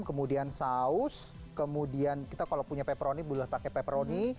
kemudian saus kemudian kita kalau punya peproni boleh pakai pepperoni